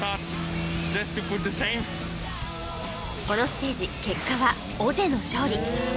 このステージ結果はオジェの勝利